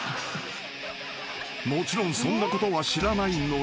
［もちろんそんなことは知らない野呂］